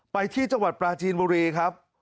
ไปที่จังหวัดปราจีนบุรีครับ